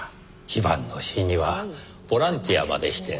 非番の日にはボランティアまでして。